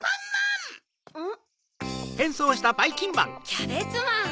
キャベツマン！